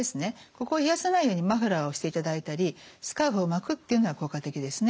ここを冷やさないようにマフラーをしていただいたりスカーフを巻くっていうのは効果的ですね。